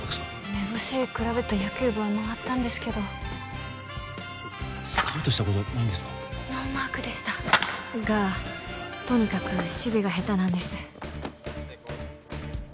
めぼしいクラブと野球部は回ったんですけどスカウトした子じゃないんですかノーマークでしたがとにかく守備が下手なんです